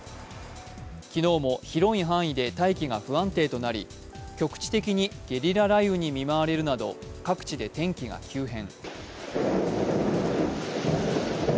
昨日も広い範囲で大気が不安定となり、局地的にゲリラ雷雨に見舞われるなど各地で天気が急変。